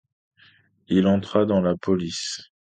Il entra dans la police.